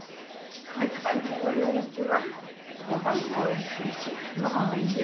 ごはんもおいしいし。